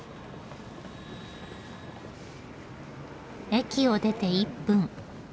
駅を出て１分。